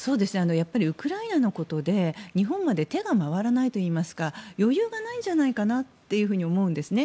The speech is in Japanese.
ウクライナのことで日本まで手が回らないといいますか余裕がないんじゃないかなって思うんですね。